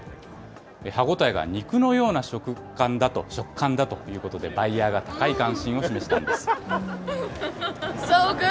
歯応えが肉のような食感だということで、バイヤーが高い関心を示しています。